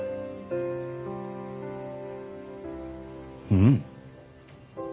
うん。